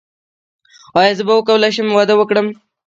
ایا زه به وکولی شم واده وکړم؟